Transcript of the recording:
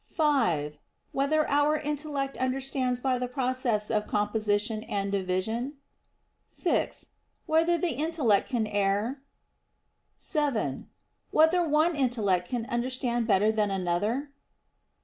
(5) Whether our intellect understands by the process of composition and division? (6) Whether the intellect can err? (7) Whether one intellect can understand better than another?